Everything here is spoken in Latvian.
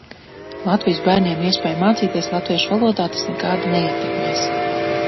Latvijas bērniem iespēju mācīties latviešu valodā tas nekādi neietekmēs.